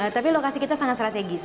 tapi lokasi kita sangat strategis